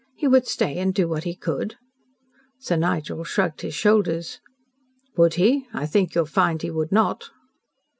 "He would stay and do what he could." Sir Nigel shrugged his shoulders. "Would he? I think you'll find he would not."